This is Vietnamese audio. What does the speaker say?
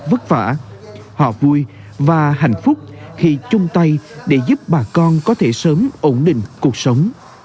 vất vả họ vui và hạnh phúc khi chung tay để giúp bà con có thể sớm ổn định cuộc sống